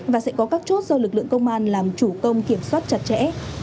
và sẽ có các chốt do lực lượng công an làm chủ công kiểm soát chặt chẽ